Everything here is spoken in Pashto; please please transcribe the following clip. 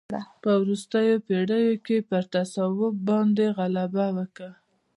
په وروستیو پېړیو کې پر تصوف باندې غلبه وکړه.